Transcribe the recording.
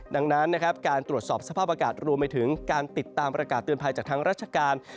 ดังนั้นนะครับการตรวจสอบสภาพอากาศรวมไปถึงการติดตามประกาศเตือนภัยจากทางราชการ